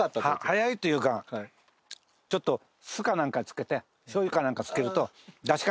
早いというかちょっと酢かなんかに漬けてしょうゆかなんかに漬けるとダシか